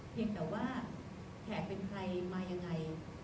เพียงแต่ว่าแขกเป็นใครมายังไง